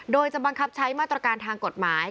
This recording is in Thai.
โดยจะบังคับใช้มาตรการทางกฎหมาย